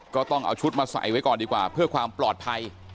ก็ต้องเอาชุดมาใส่ไว้ก่อนดีกว่าเพื่อความปลอดภัย